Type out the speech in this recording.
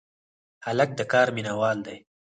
هلک د کار مینه وال دی.